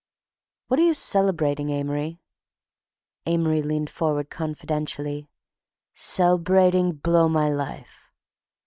"What are you celebrating, Amory?" Amory leaned forward confidentially. "Cel'brating blowmylife.